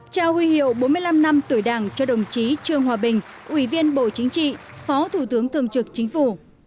trao huy hiệu bốn mươi năm năm tuổi đảng cho đồng chí trương hòa bình ủy viên bộ chính trị phó thủ tướng thường trực chính phủ